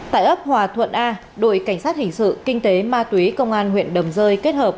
tại ấp hòa thuận a đội cảnh sát hình sự kinh tế ma túy công an huyện đầm rơi kết hợp